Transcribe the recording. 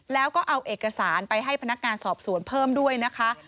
แล้วก็เอาเอกสารไปให้พนักงานสอบสวนเพิ่มด้วยนะคะ